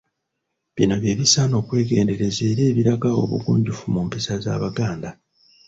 Bino bye bisaana okwegendereza era ebiraga obugunjufu mu mpisa z’Abaganda.